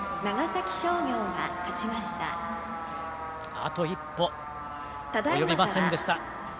あと一歩及びませんでした。